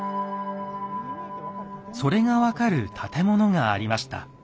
それが分かる建物がありました。